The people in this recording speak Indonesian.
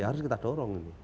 harus kita dorong